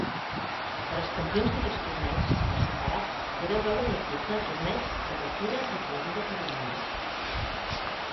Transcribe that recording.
Per als campions d'aquests torneigs per separat podeu veure l'article Torneigs d'Apertura i Clausura peruans.